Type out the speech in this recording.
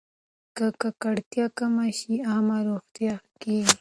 که ککړتیا کمه شي، عامه روغتیا ښه کېږي.